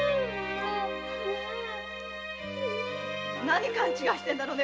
何を勘違いしてんだろ